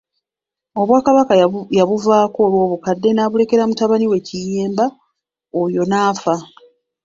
Obwakabaka yabuvaako olw'obukadde n'abulekera mutabani we Kiyimba oyo n'afa.